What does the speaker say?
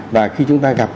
và khi chúng ta gặp